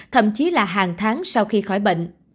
thậm chí là hàng tháng sau khi khỏi bệnh